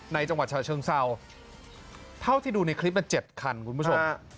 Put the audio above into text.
จังหวัดชาเชิงเศร้าเท่าที่ดูในคลิปมัน๗คันคุณผู้ชม